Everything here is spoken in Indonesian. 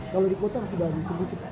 kalau di kota sudah terdistribusikan